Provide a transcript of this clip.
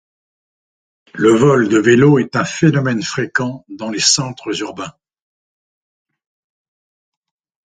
Le vol de vélos est un phénomène fréquent dans les centres urbains.